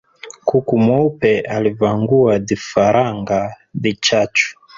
Kuku mweupe alivangua dhifaranga dhichachu